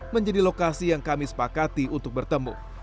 menjadi lokasi yang kami sepakati untuk bertemu